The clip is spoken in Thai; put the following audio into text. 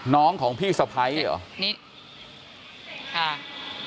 น้องของพี่สะพัยเหรอ